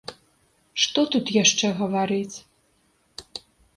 Што тут яшчэ гаварыць?